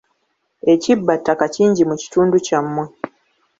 Ekibbattaka kingi mu kitundu kyammwe.